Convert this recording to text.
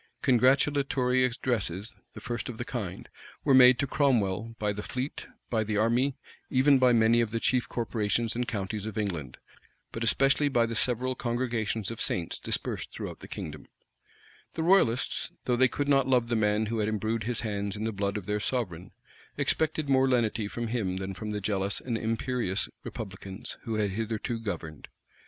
Congratulatory addresses, the first of the kind, were made to Cromwell by the fleet, by the army, even by many of the chief corporations and counties of England; but especially by the several congregations of saints dispersed throughout the kingdom.[*] * See Milton's State Papers. The royalists, though they could not love the man who had imbrued his hands in the blood of their sovereign, expected more lenity from him than from the jealous and imperious republicans, who had hitherto governed.